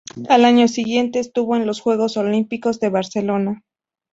Al año siguiente estuvo en los Juegos Olímpicos de Barcelona.